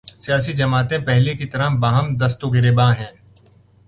سیاسی جماعتیں پہلے کی طرح باہم دست و گریبان ہیں۔